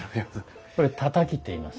これ三和土っていいます。